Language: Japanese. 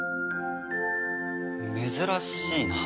珍しいな。